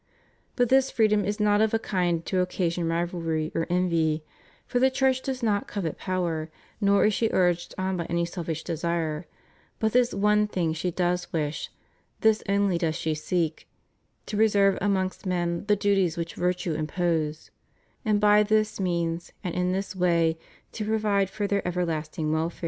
But this freedom is not of a kind to occasion rivalry or envy, for the Church does not covet power, nor is she urged on b)'' any selfish desire; but this one thing she does wish, this only does she seek, to preserve amongst men the duties which virtue imposes, and by this means and in this way to provide for their everlasting welfare.